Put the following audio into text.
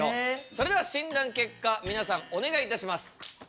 それでは診断結果みなさんお願いいたします。